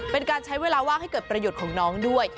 เป็นการใช้เวลาว่างให้เกิดประโยชน์ของน้องด้วย